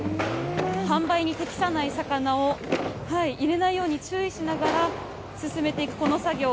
販売に適さない魚を入れないように注意しながら進めていくこの作業。